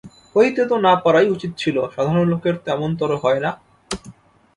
হইতে তো না পারাই উচিত ছিল–সাধারণ লোকের তো এমনতরো হয় না।